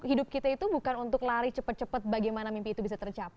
tapi hidup kita itu bukan untuk lari cepet cepet bagaimana mimpi itu bisa tercapai